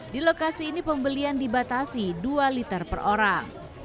di lokasi ini pembelian dibatasi dua liter per orang